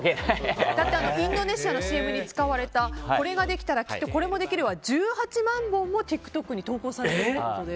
インドネシアの新聞に使われたこれができたらきっと、これもできるは１８万本もＴｉｋＴｏｋに投稿されているということで。